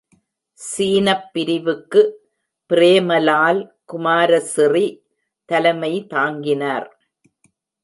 சீனப் பிரிவுக்கு பிரேமலால் குமாரசிறி தலைமை தாங்கினார்.